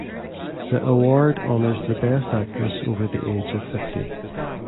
The award honors the best actress over the age of fifty.